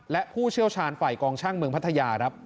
และผู้เชี่ยวชาญฝ่ายกองช่างเมืองพัทยาครับ